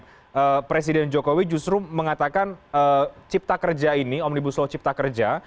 dan presiden jokowi justru mengatakan cipta kerja ini omnibus law cipta kerja